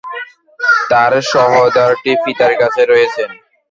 তার সহোদরটি পিতার কাছে রয়েছে।